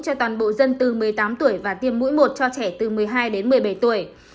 cho toàn bộ dân từ một mươi tám tuổi và tiêm mũi một cho trẻ từ một mươi hai đến một mươi bảy tuổi